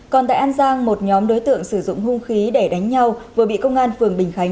còn tại an giang một nhóm đối tượng sử dụng hung khí để đánh nhau vừa bị công an phường bình khánh